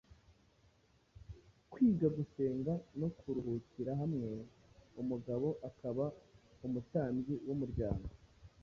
kwiga, gusenga no kuruhukira hamwe; umugabo akaba umutambyi w’umuryango,